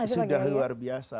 sudah luar biasa